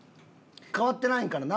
変わってないんかな？